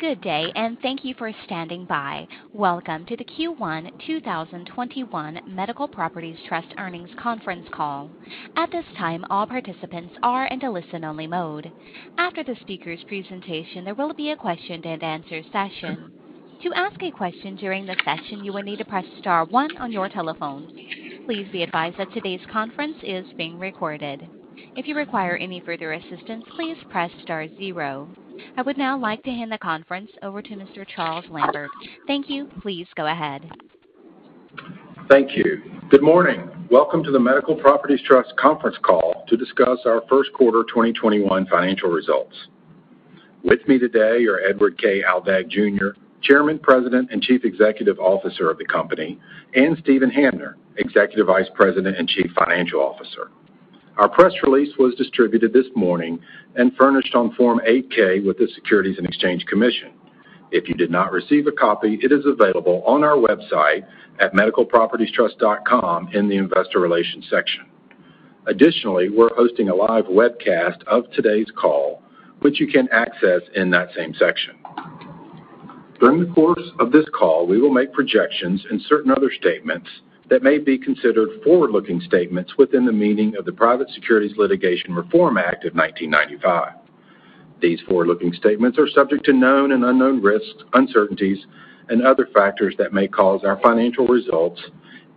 Good day. Thank you for standing by. Welcome to the Q1 2021 Medical Properties Trust Earnings Conference Call. At this time, all participants are in a listen-only mode. After the speaker's presentation, there will be a question and answer session. To ask a question during the session, you will need to press star one on your telephone. Please be advised that today's conference is being recorded. If you require any further assistance, please press star zero. I would now like to hand the conference over to Mr. Charles Lambert. Thank you. Please go ahead. Thank you. Good morning. Welcome to the Medical Properties Trust conference call to discuss our first quarter 2021 financial results. With me today are Edward K. Aldag Jr., Chairman, President, and Chief Executive Officer of the company, and Steven Hamner, Executive Vice President and Chief Financial Officer. Our press release was distributed this morning and furnished on Form 8-K with the Securities and Exchange Commission. If you did not receive a copy, it is available on our website at medicalpropertiestrust.com in the investor relations section. Additionally, we are hosting a live webcast of today's call, which you can access in that same section. During the course of this call, we will make projections and certain other statements that may be considered forward-looking statements within the meaning of the Private Securities Litigation Reform Act of 1995. These forward-looking statements are subject to known and unknown risks, uncertainties, and other factors that may cause our financial results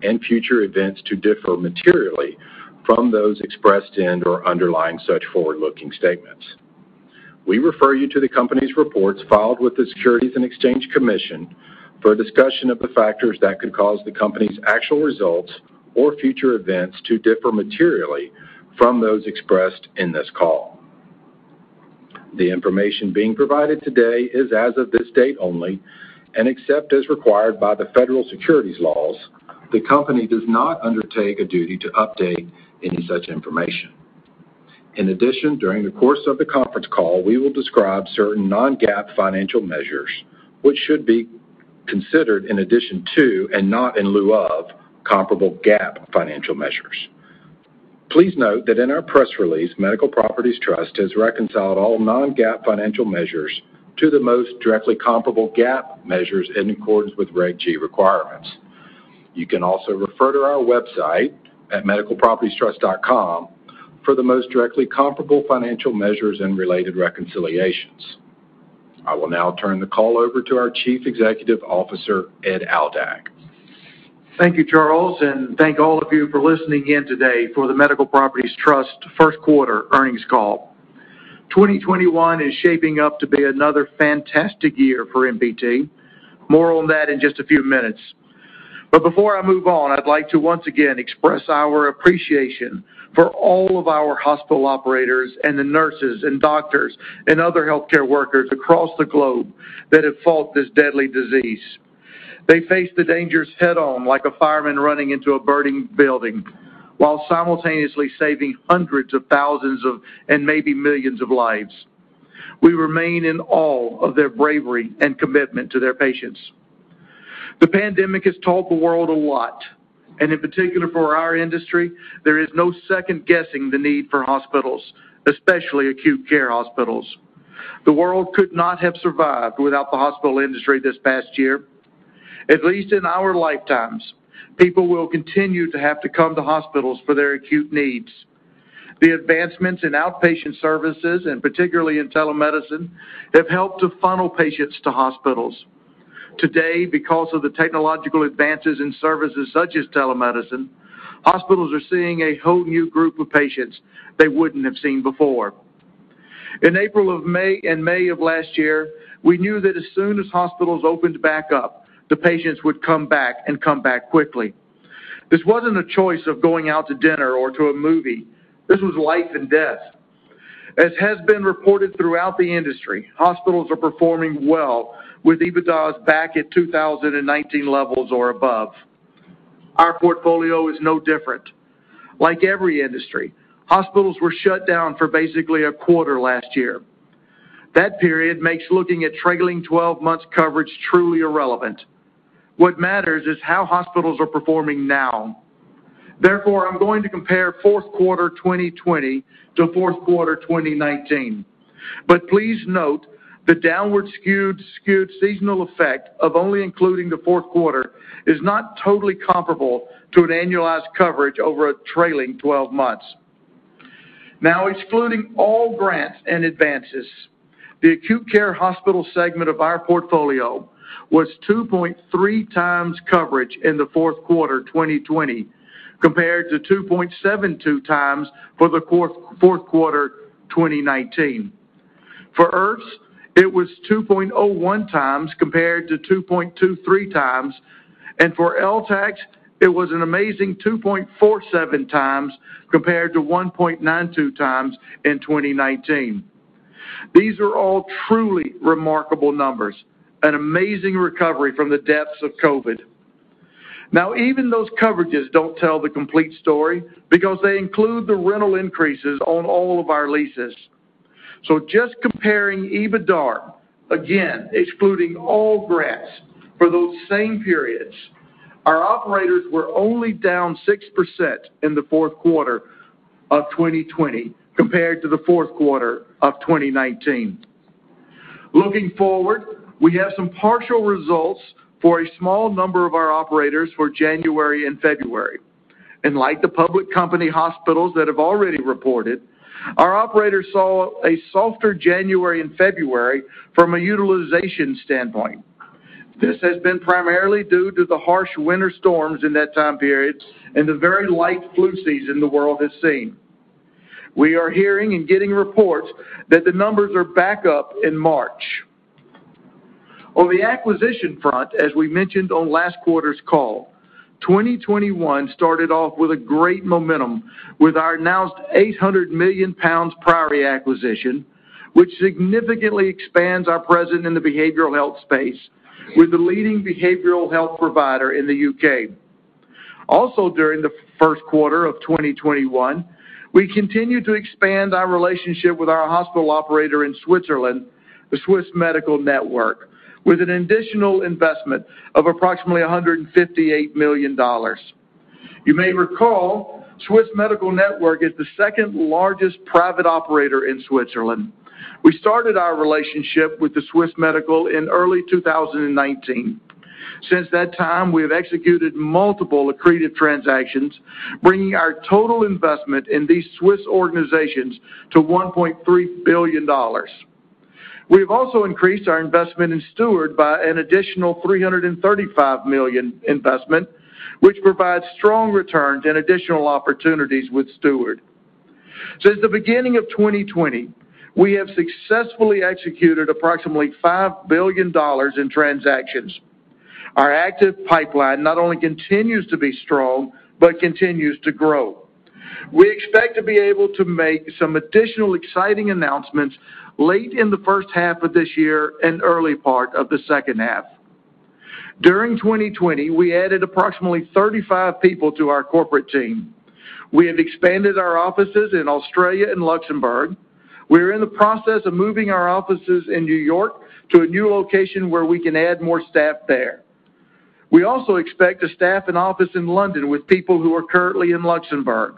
and future events to differ materially from those expressed in or underlying such forward-looking statements. We refer you to the company's reports filed with the Securities and Exchange Commission for a discussion of the factors that could cause the company's actual results or future events to differ materially from those expressed in this call. The information being provided today is as of this date only, and except as required by the federal securities laws, the company does not undertake a duty to update any such information. In addition, during the course of the conference call, we will describe certain non-GAAP financial measures, which should be considered in addition to, and not in lieu of, comparable GAAP financial measures. Please note that in our press release, Medical Properties Trust has reconciled all non-GAAP financial measures to the most directly comparable GAAP measures in accordance with Reg G requirements. You can also refer to our website at medicalpropertiestrust.com for the most directly comparable financial measures and related reconciliations. I will now turn the call over to our Chief Executive Officer, Ed Aldag. Thank you, Charles, and thank all of you for listening in today for the Medical Properties Trust first quarter earnings call. 2021 is shaping up to be another fantastic year for MPT. More on that in just a few minutes. Before I move on, I'd like to once again express our appreciation for all of our hospital operators and the nurses and doctors and other healthcare workers across the globe that have fought this deadly disease. They face the dangers head-on, like a fireman running into a burning building, while simultaneously saving hundreds of thousands and maybe millions of lives. We remain in awe of their bravery and commitment to their patients. The pandemic has taught the world a lot, and in particular, for our industry, there is no second-guessing the need for hospitals, especially acute care hospitals. The world could not have survived without the hospital industry this past year. At least in our lifetimes, people will continue to have to come to hospitals for their acute needs. The advancements in outpatient services, and particularly in telemedicine, have helped to funnel patients to hospitals. Today, because of the technological advances in services such as telemedicine, hospitals are seeing a whole new group of patients they wouldn't have seen before. In April and May of last year, we knew that as soon as hospitals opened back up, the patients would come back and come back quickly. This wasn't a choice of going out to dinner or to a movie. This was life and death. As has been reported throughout the industry, hospitals are performing well, with EBITDAs back at 2019 levels or above. Our portfolio is no different. Like every industry, hospitals were shut down for basically a quarter last year. That period makes looking at trailing 12 months coverage truly irrelevant. What matters is how hospitals are performing now. Therefore, I'm going to compare fourth quarter 2020 to fourth quarter 2019. Please note, the downward skewed seasonal effect of only including the fourth quarter is not totally comparable to an annualized coverage over a trailing 12 months. Excluding all grants and advances, the acute care hospital segment of our portfolio was 2.3x coverage in the fourth quarter 2020, compared to 2.72x for the fourth quarter 2019. For IRFs, it was 2.01x compared to 2.23x, and for LTACs, it was an amazing 2.47x compared to 1.92x in 2019. These are all truly remarkable numbers, an amazing recovery from the depths of COVID. Even those coverages don't tell the complete story because they include the rental increases on all of our leases. Just comparing EBITDAR, again, excluding all grants for those same periods, our operators were only down 6% in the fourth quarter of 2020 compared to the fourth quarter of 2019. Looking forward, we have some partial results for a small number of our operators for January and February. Like the public company hospitals that have already reported, our operators saw a softer January and February from a utilization standpoint. This has been primarily due to the harsh winter storms in that time period and the very light flu season the world has seen. We are hearing and getting reports that the numbers are back up in March. On the acquisition front, as we mentioned on last quarter's call, 2021 started off with great momentum with our announced 800 million pounds Priory acquisition, which significantly expands our presence in the behavioral health space with the leading behavioral health provider in the U.K. During the first quarter of 2021, we continued to expand our relationship with our hospital operator in Switzerland, the Swiss Medical Network, with an additional investment of approximately $158 million. You may recall, Swiss Medical Network is the second-largest private operator in Switzerland. We started our relationship with the Swiss Medical in early 2019. Since that time, we have executed multiple accretive transactions, bringing our total investment in these Swiss organizations to $1.3 billion. We've also increased our investment in Steward by an additional $335 million investment, which provides strong returns and additional opportunities with Steward. Since the beginning of 2020, we have successfully executed approximately $5 billion in transactions. Our active pipeline not only continues to be strong but continues to grow. We expect to be able to make some additional exciting announcements late in the first half of this year and early part of the second half. During 2020, we added approximately 35 people to our corporate team. We have expanded our offices in Australia and Luxembourg. We are in the process of moving our offices in New York to a new location where we can add more staff there. We also expect to staff an office in London with people who are currently in Luxembourg.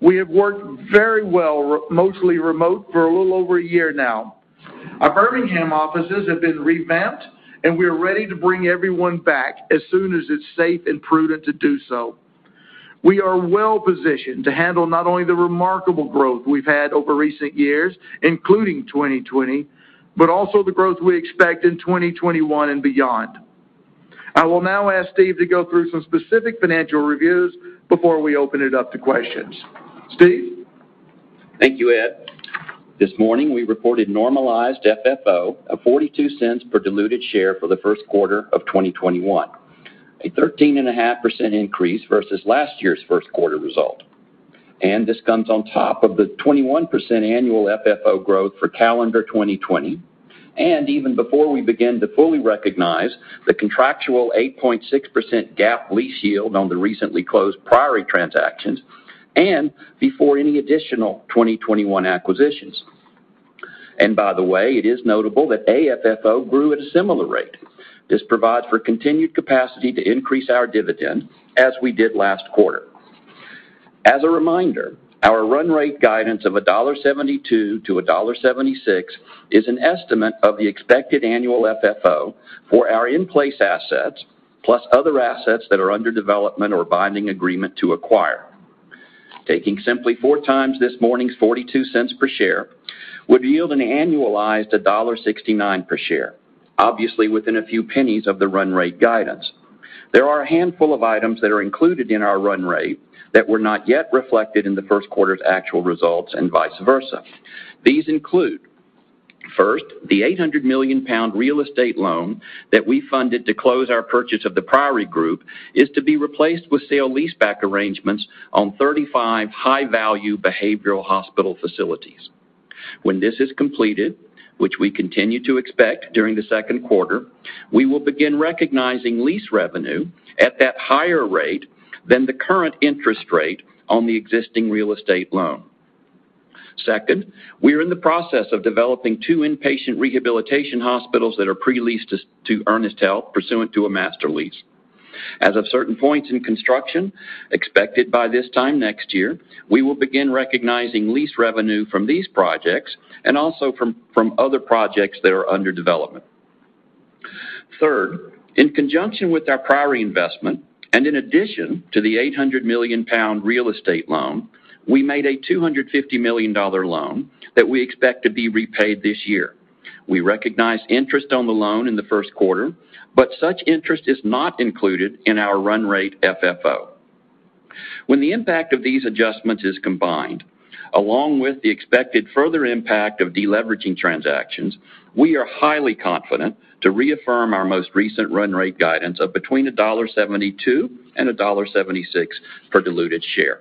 We have worked very well mostly remote for a little over a year now. Our Birmingham offices have been revamped, and we are ready to bring everyone back as soon as it's safe and prudent to do so. We are well-positioned to handle not only the remarkable growth we've had over recent years, including 2020, but also the growth we expect in 2021 and beyond. I will now ask Steve to go through some specific financial reviews before we open it up to questions. Steve? Thank you, Ed. This morning, we reported normalized FFO of $0.42 per diluted share for the first quarter of 2021, a 13.5% increase versus last year's first quarter result. This comes on top of the 21% annual FFO growth for calendar 2020, and even before we begin to fully recognize the contractual 8.6% GAAP lease yield on the recently closed Priory transactions and before any additional 2021 acquisitions. By the way, it is notable that AFFO grew at a similar rate. This provides for continued capacity to increase our dividend as we did last quarter. As a reminder, our run rate guidance of $1.72-$1.76 is an estimate of the expected annual FFO for our in-place assets, plus other assets that are under development or binding agreement to acquire. Taking simply four times this morning's $0.42 per share would yield an annualized $1.69 per share, obviously within a few pennies of the run rate guidance. There are a handful of items that are included in our run rate that were not yet reflected in the first quarter's actual results and vice versa. These include, first, the 800 million pound real estate loan that we funded to close our purchase of the Priory Group is to be replaced with sale leaseback arrangements on 35 high-value behavioral hospital facilities. When this is completed, which we continue to expect during the second quarter, we will begin recognizing lease revenue at that higher rate than the current interest rate on the existing real estate loan. Second, we are in the process of developing two inpatient rehabilitation hospitals that are pre-leased to Ernest Health pursuant to a master lease. As of certain points in construction, expected by this time next year, we will begin recognizing lease revenue from these projects and also from other projects that are under development. Third, in conjunction with our Priory investment, and in addition to the 800 million pound real estate loan, we made a $250 million loan that we expect to be repaid this year. We recognized interest on the loan in the first quarter, Such interest is not included in our run rate FFO. When the impact of these adjustments is combined, along with the expected further impact of deleveraging transactions, we are highly confident to reaffirm our most recent run rate guidance of between $1.72 and $1.76 per diluted share.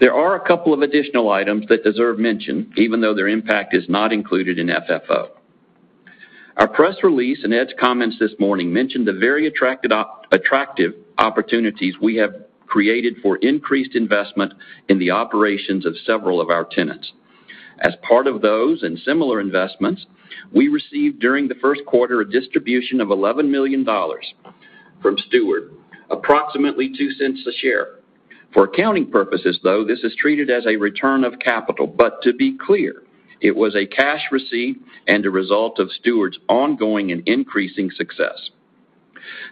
There are a couple of additional items that deserve mention, even though their impact is not included in FFO. Our press release and Ed's comments this morning mentioned the very attractive opportunities we have created for increased investment in the operations of several of our tenants. As part of those and similar investments, we received during the first quarter a distribution of $11 million from Steward, approximately $0.02 a share. For accounting purposes, though, this is treated as a return of capital, but to be clear, it was a cash receipt and a result of Steward's ongoing and increasing success.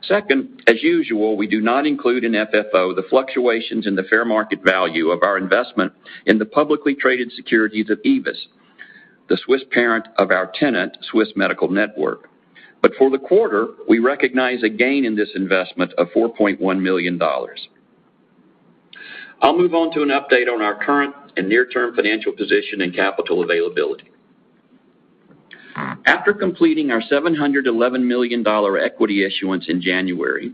Second, as usual, we do not include in FFO the fluctuations in the fair market value of our investment in the publicly traded securities of AEVIS, the Swiss parent of our tenant, Swiss Medical Network. For the quarter, we recognize a gain in this investment of $4.1 million. I'll move on to an update on our current and near-term financial position and capital availability. After completing our $711 million equity issuance in January,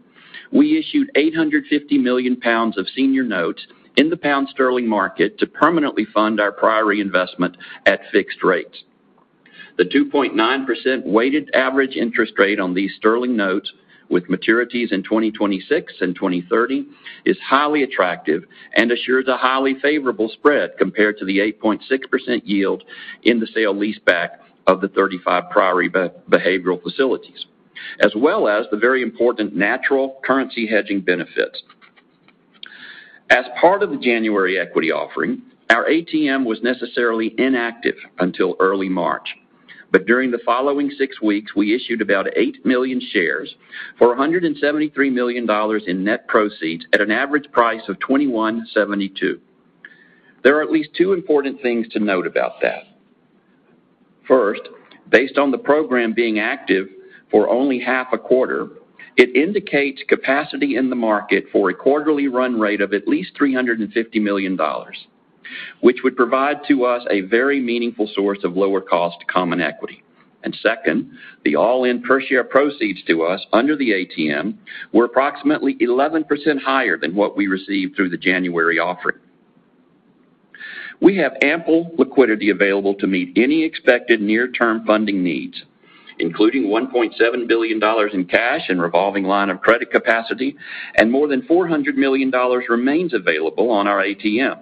we issued 850 million pounds of senior notes in the pound sterling market to permanently fund our Priory investment at fixed rates. The 2.9% weighted average interest rate on these sterling notes, with maturities in 2026 and 2030, is highly attractive and assures a highly favorable spread compared to the 8.6% yield in the sale leaseback of the 35 Priory behavioral facilities, as well as the very important natural currency hedging benefit. As part of the January equity offering, our ATM was necessarily inactive until early March. During the following six weeks, we issued about eight million shares for $173 million in net proceeds at an average price of $21.72. There are at least two important things to note about that. Based on the program being active for only half a quarter, it indicates capacity in the market for a quarterly run rate of at least $350 million, which would provide to us a very meaningful source of lower-cost common equity. Second, the all-in per-share proceeds to us under the ATM were approximately 11% higher than what we received through the January offering. We have ample liquidity available to meet any expected near-term funding needs, including $1.7 billion in cash and revolving line of credit capacity, and more than $400 million remains available on our ATM.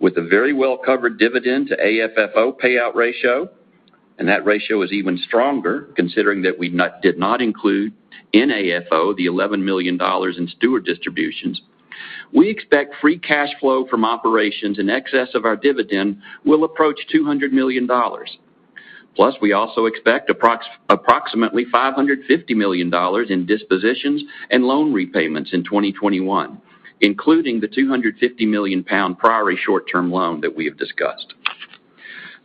With a very well-covered dividend to AFFO payout ratio, and that ratio is even stronger considering that we did not include in AFFO the $11 million in Steward distributions. We expect free cash flow from operations in excess of our dividend will approach $200 million. We also expect approximately $550 million in dispositions and loan repayments in 2021, including the 250 million pound Priory short-term loan that we have discussed.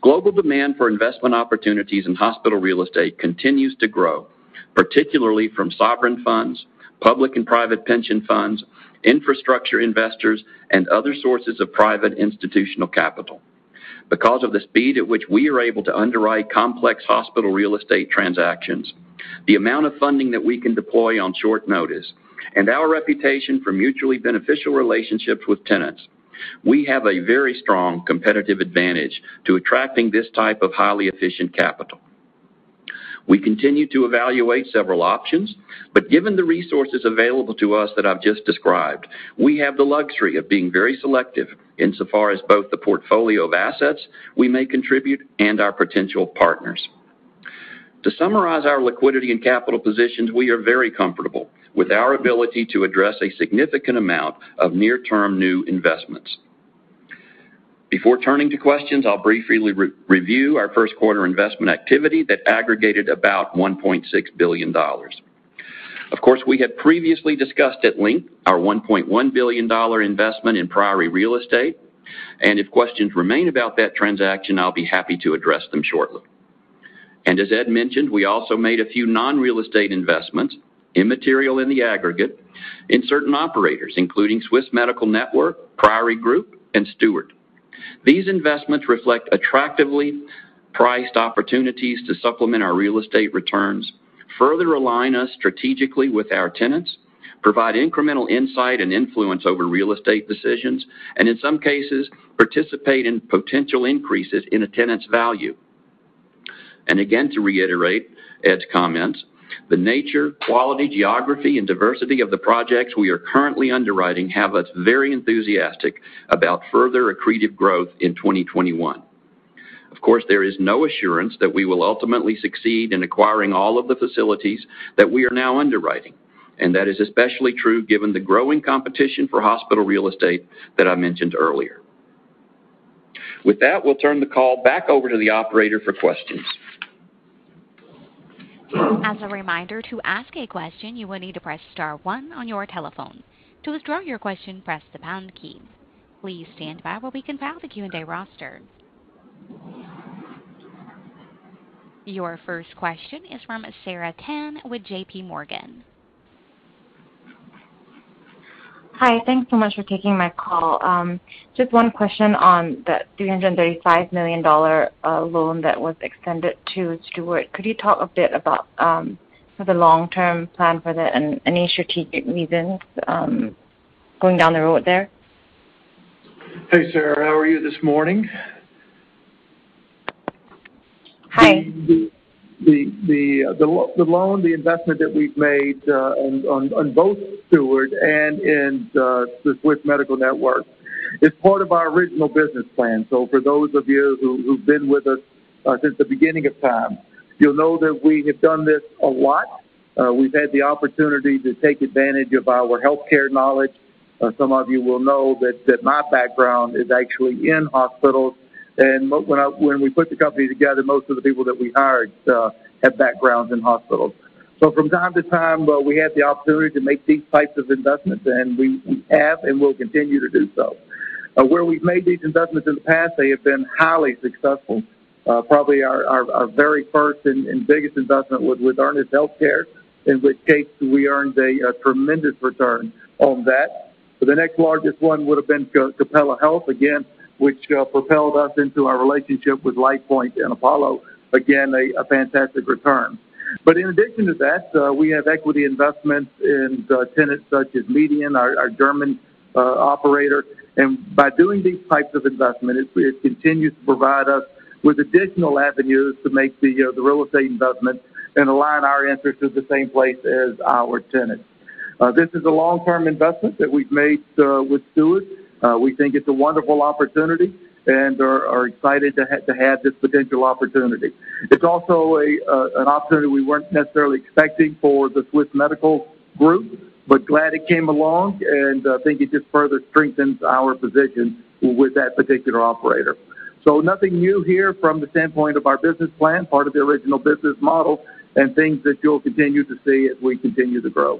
Global demand for investment opportunities in hospital real estate continues to grow, particularly from sovereign funds, public and private pension funds, infrastructure investors, and other sources of private institutional capital. Because of the speed at which we are able to underwrite complex hospital real estate transactions, the amount of funding that we can deploy on short notice, and our reputation for mutually beneficial relationships with tenants, we have a very strong competitive advantage to attracting this type of highly efficient capital. We continue to evaluate several options, but given the resources available to us that I've just described, we have the luxury of being very selective insofar as both the portfolio of assets we may contribute and our potential partners. To summarize our liquidity and capital positions, we are very comfortable with our ability to address a significant amount of near-term new investments. Before turning to questions, I'll briefly review our first quarter investment activity that aggregated about $1.6 billion. Of course, we had previously discussed at length our $1.1 billion investment in Priory Real Estate. If questions remain about that transaction, I'll be happy to address them shortly. As Ed mentioned, we also made a few non-real estate investments, immaterial in the aggregate, in certain operators, including Swiss Medical Network, Priory Group, and Steward. These investments reflect attractively priced opportunities to supplement our real estate returns, further align us strategically with our tenants, provide incremental insight and influence over real estate decisions, and in some cases, participate in potential increases in a tenant's value. Again, to reiterate Ed's comments, the nature, quality, geography, and diversity of the projects we are currently underwriting have us very enthusiastic about further accretive growth in 2021. Of course, there is no assurance that we will ultimately succeed in acquiring all of the facilities that we are now underwriting, that is especially true given the growing competition for hospital real estate that I mentioned earlier. With that, we'll turn the call back over to the operator for questions. As a reminder, to ask a question, you will need to press star one on your telephone. To withdraw your question, press the pound key. Please stand by while we compile the Q&A roster. Your first question is from Sarah Tan with JPMorgan. Hi. Thanks so much for taking my call. Just one question on the $335 million loan that was extended to Steward. Could you talk a bit about the long-term plan for that and any strategic reasons going down the road there? Hey, Sarah, how are you this morning? Hi The loan, the investment that we've made on both Steward and in the Swiss Medical Network is part of our original business plan. For those of you who've been with us since the beginning of time, you'll know that we have done this a lot. We've had the opportunity to take advantage of our healthcare knowledge. Some of you will know that my background is actually in hospitals, and when we put the company together, most of the people that we hired had backgrounds in hospitals. From time to time, we had the opportunity to make these types of investments, and we have and will continue to do so. Where we've made these investments in the past, they have been highly successful. Probably our very first and biggest investment was with Ernest Health, in which case we earned a tremendous return on that. The next largest one would've been Capella Healthcare, again, which propelled us into our relationship with LifePoint and Apollo. Again, a fantastic return. In addition to that, we have equity investments in tenants such as MEDIAN, our German operator. By doing these types of investment, it continues to provide us with additional avenues to make the real estate investments and align our interests with the same place as our tenants. This is a long-term investment that we've made with Steward. We think it's a wonderful opportunity and are excited to have this potential opportunity. It's also an opportunity we weren't necessarily expecting for the Swiss Medical Network, but glad it came along, and I think it just further strengthens our position with that particular operator. Nothing new here from the standpoint of our business plan, part of the original business model and things that you'll continue to see as we continue to grow.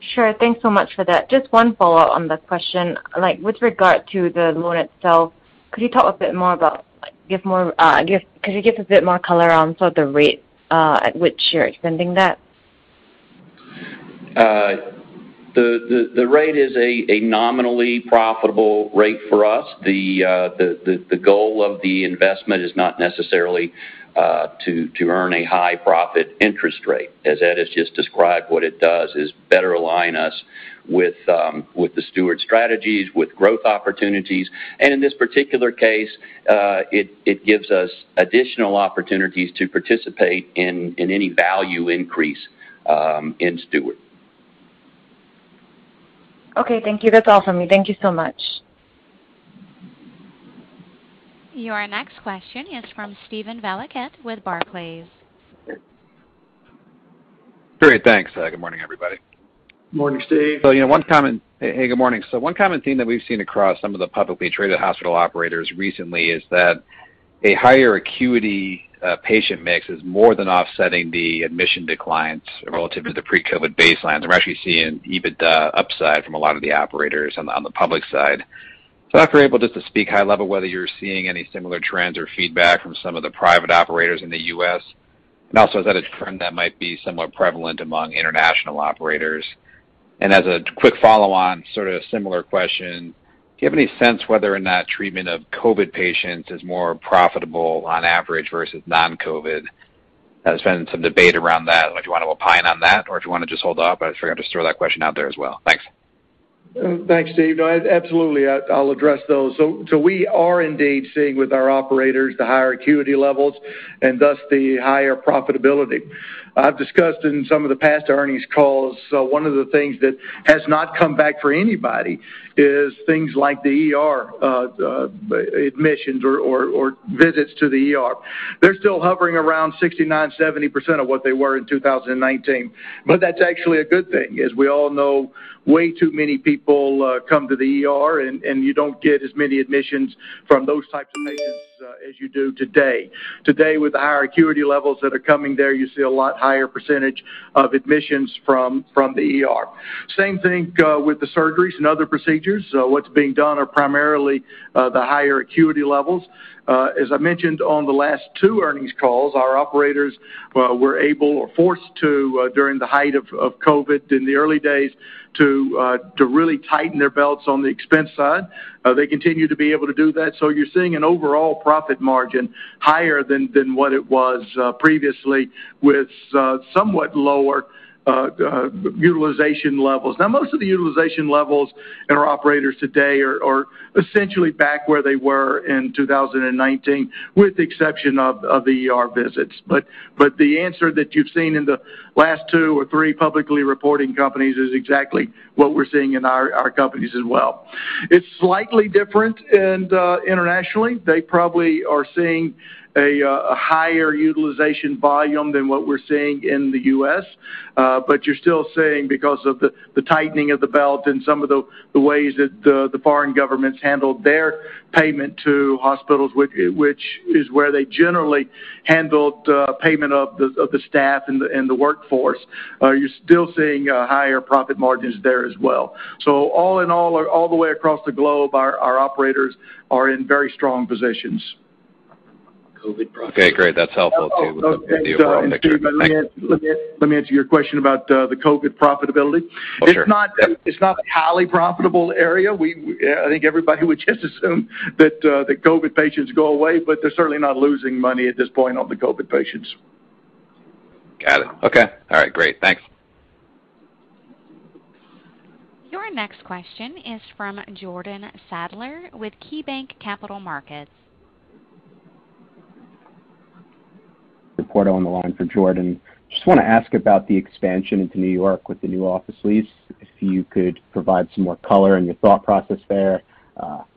Sure. Thanks so much for that. Just one follow-up on the question. With regard to the loan itself, could you give a bit more color on the rate at which you're extending that? The rate is a nominally profitable rate for us. The goal of the investment is not necessarily to earn a high profit interest rate. As Ed has just described, what it does is better align us with the Steward strategies, with growth opportunities, and in this particular case, it gives us additional opportunities to participate in any value increase in Steward. Okay. Thank you. That's all from me. Thank you so much. Your next question is from Steven Valiquette with Barclays. Great. Thanks. Good morning, everybody. Morning, Steve. Hey. Good morning. One common theme that we've seen across some of the publicly traded hospital operators recently is that a higher acuity patient mix is more than offsetting the admission declines relative to the pre-COVID baselines. I'm actually seeing EBITDA upside from a lot of the operators on the public side. I wonder if you're able just to speak high level whether you're seeing any similar trends or feedback from some of the private operators in the U.S. Is that a trend that might be somewhat prevalent among international operators? As a quick follow-on, sort of similar question, do you have any sense whether or not treatment of COVID patients is more profitable on average versus non-COVID? There's been some debate around that. I don't know if you want to opine on that, or if you want to just hold off, but I just figured I'd just throw that question out there as well. Thanks. Thanks, Steve. No, absolutely. I'll address those. We are indeed seeing with our operators the higher acuity levels and thus the higher profitability. I've discussed in some of the past earnings calls, one of the things that has not come back for anybody is things like the ER admissions or visits to the ER. They're still hovering around 69%-70% of what they were in 2019. That's actually a good thing, as we all know way too many people come to the ER, and you don't get as many admissions from those types of patients as you do today. Today, with the higher acuity levels that are coming there, you see a lot higher percentage of admissions from the ER. Same thing with the surgeries and other procedures. What's being done are primarily the higher acuity levels. As I mentioned on the last two earnings calls, our operators were able or forced to, during the height of COVID in the early days, to really tighten their belts on the expense side. You're seeing an overall profit margin higher than what it was previously with somewhat lower utilization levels. Most of the utilization levels in our operators today are essentially back where they were in 2019, with the exception of the ER visits. The answer that you've seen in the last two or three publicly reporting companies is exactly what we're seeing in our companies as well. It's slightly different internationally. They probably are seeing a higher utilization volume than what we're seeing in the U.S., you're still seeing, because of the tightening of the belt and some of the ways that the foreign governments handled their payment to hospitals, which is where they generally handled payment of the staff and the workforce, you're still seeing higher profit margins there as well. All in all the way across the globe, our operators are in very strong positions. COVID profit. Okay, great. That's helpful, too, with the overall picture. Thank you. Let me answer your question about the COVID profitability. Oh, sure. It's not a highly profitable area. I think everybody would just assume that COVID patients go away, but they're certainly not losing money at this point on the COVID patients. Got it. Okay. All right. Great. Thanks. Your next question is from Jordan Sadler with KeyBanc Capital Markets. [Reporter] on the line for Jordan. I just want to ask about the expansion into New York with the new office lease, if you could provide some more color on your thought process there.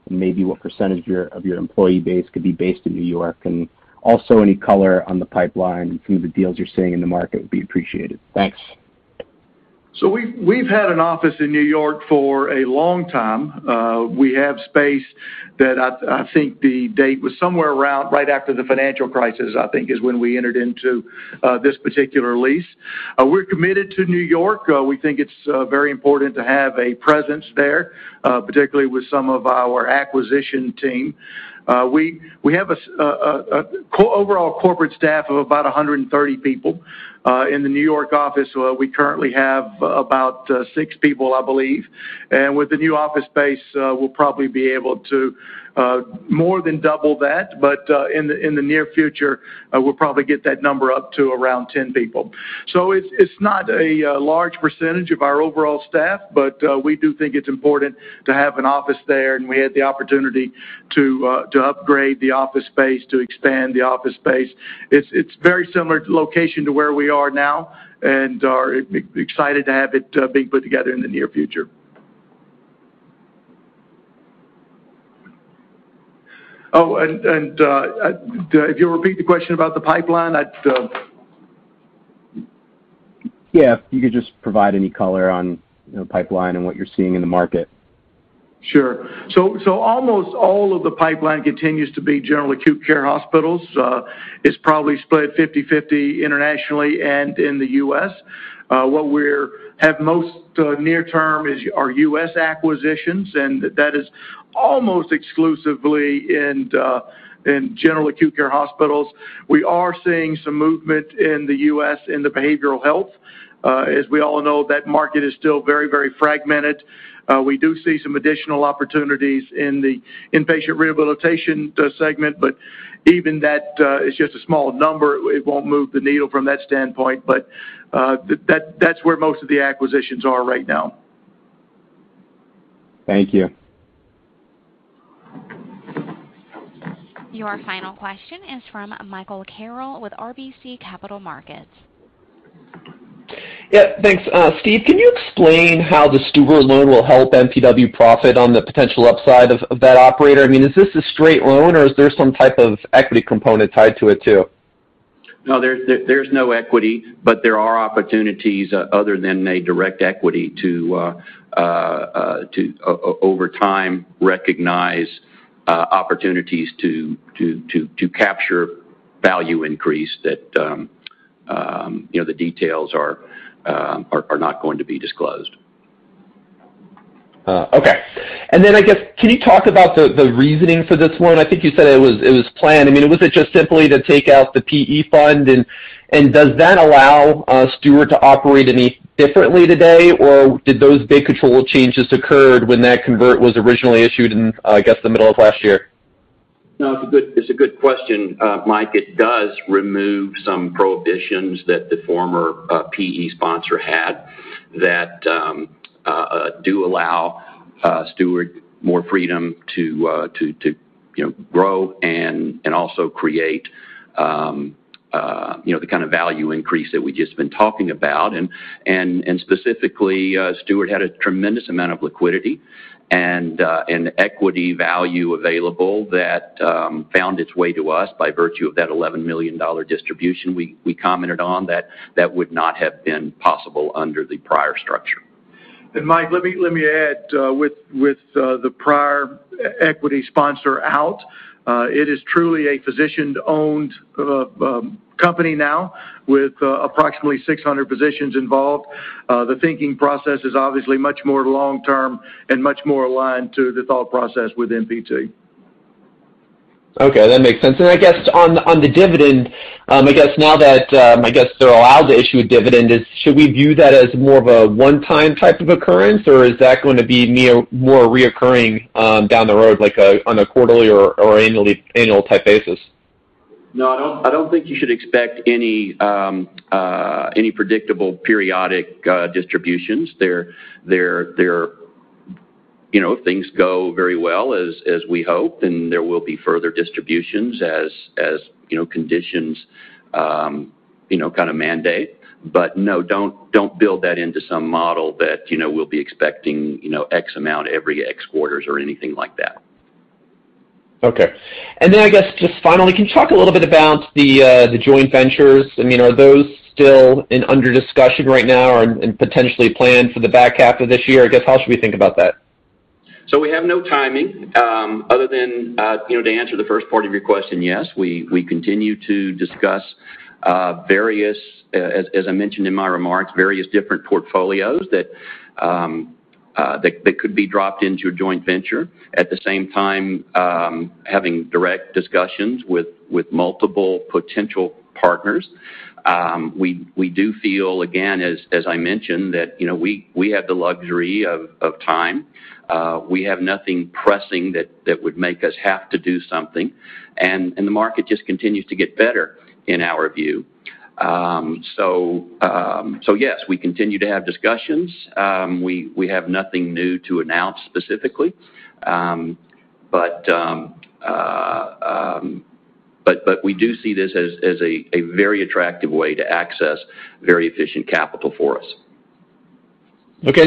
Maybe what percentage of your employee base could be based in New York, and also any color on the pipeline from the deals you're seeing in the market would be appreciated. Thanks. We've had an office in New York for a long time. We have space that I think the date was somewhere around right after the financial crisis, I think is when we entered into this particular lease. We're committed to New York We think it's very important to have a presence there, particularly with some of our acquisition team. We have an overall corporate staff of about 130 people. In the New York office, we currently have about six people, I believe. With the new office space, we'll probably be able to more than double that. In the near future, we'll probably get that number up to around 10 people. It's not a large percentage of our overall staff, but we do think it's important to have an office there. We had the opportunity to upgrade the office space, to expand the office space. It's very similar location to where we are now and are excited to have it being put together in the near future. Oh, if you'll repeat the question about the pipeline? Yeah, if you could just provide any color on pipeline and what you're seeing in the market. Sure. Almost all of the pipeline continues to be general acute care hospitals. It's probably split 50/50 internationally and in the U.S. What we have most near term are U.S. acquisitions, that is almost exclusively in general acute care hospitals. We are seeing some movement in the U.S. in the behavioral health. As we all know, that market is still very fragmented. We do see some additional opportunities in the inpatient rehabilitation segment, but even that is just a small number. It won't move the needle from that standpoint. That's where most of the acquisitions are right now. Thank you. Your final question is from Michael Carroll with RBC Capital Markets. Yeah, thanks. Steve, can you explain how the Steward loan will help MPW profit on the potential upside of that operator? Is this a straight loan, or is there some type of equity component tied to it, too? No, there's no equity, but there are opportunities other than a direct equity to, over time, recognize opportunities to capture value increase that the details are not going to be disclosed. Okay. I guess, can you talk about the reasoning for this loan? I think you said it was planned. Was it just simply to take out the PE fund, and does that allow Steward to operate any differently today, or did those big control changes occur when that convert was originally issued in, I guess, the middle of last year? No, it's a good question, Mike. It does remove some prohibitions that the former PE sponsor had that do allow Steward more freedom to grow and also create the kind of value increase that we've just been talking about, and specifically, Steward had a tremendous amount of liquidity and equity value available that found its way to us by virtue of that $11 million distribution we commented on that would not have been possible under the prior structure. Mike, let me add, with the prior equity sponsor out, it is truly a physician-owned company now with approximately 600 physicians involved. The thinking process is obviously much more long-term and much more aligned to the thought process with MPT. Okay, that makes sense. I guess on the dividend, I guess now that they're allowed to issue a dividend, should we view that as more of a one-time type of occurrence, or is that going to be more reoccurring down the road on a quarterly or annual type basis? No, I don't think you should expect any predictable periodic distributions. If things go very well as we hope, then there will be further distributions as conditions mandate. No, don't build that into some model that we'll be expecting X amount every X quarters or anything like that. Okay. I guess, just finally, can you talk a little bit about the joint ventures? Are those still under discussion right now or potentially planned for the back half of this year? I guess, how should we think about that? We have no timing other than to answer the first part of your question, yes, we continue to discuss various, as I mentioned in my remarks, various different portfolios that could be dropped into a joint venture. At the same time, having direct discussions with multiple potential partners. We do feel, again, as I mentioned, that we have the luxury of time. We have nothing pressing that would make us have to do something, and the market just continues to get better in our view. Yes, we continue to have discussions. We have nothing new to announce specifically. We do see this as a very attractive way to access very efficient capital for us. Okay.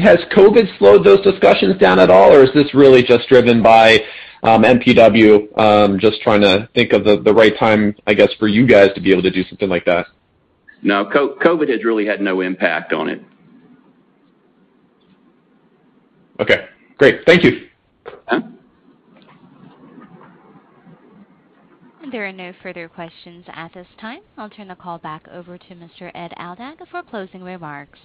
Has COVID slowed those discussions down at all, or is this really just driven by MPW just trying to think of the right time, I guess, for you guys to be able to do something like that? No, COVID has really had no impact on it. Okay, great. Thank you. Yeah. There are no further questions at this time. I'll turn the call back over to Mr. Ed Aldag for closing remarks.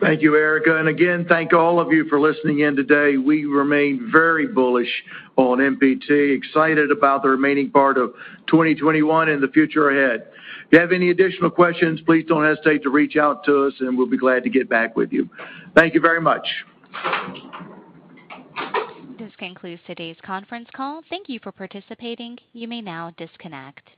Thank you, Erica, and again, thank all of you for listening in today. We remain very bullish on MPT, excited about the remaining part of 2021 and the future ahead. If you have any additional questions, please don't hesitate to reach out to us, and we'll be glad to get back with you. Thank you very much. This concludes today's conference call. Thank you for participating. You may now disconnect.